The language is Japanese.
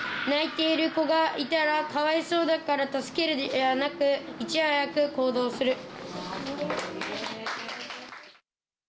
泣いている子がいたらかわいそうだから助けるではなくいち早く行動する。